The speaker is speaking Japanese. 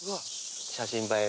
写真映え